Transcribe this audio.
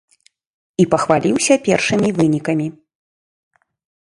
І пахваліўся першымі вынікамі.